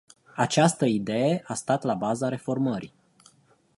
Această idee a stat la baza reformării.